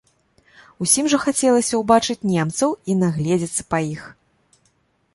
Усім жа хацелася ўбачыць немцаў і нагледзецца па іх.